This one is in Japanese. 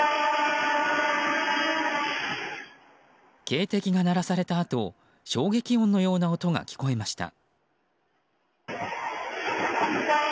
警笛が鳴らされたあと衝撃音のような音が聞こえました。